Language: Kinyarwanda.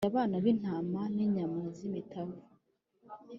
arya abana b’intama n’inyana z’imitavu,